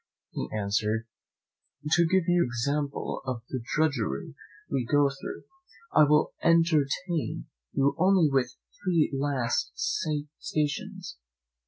He answered, "To give you an example of the drudgery we go through, I will entertain you only with my three last stations.